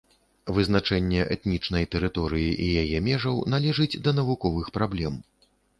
Вызначэнне этнічнай тэрыторыі і яе межаў належыць да навуковых праблем.